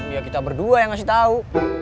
ya kita berdua yang ngasih tahu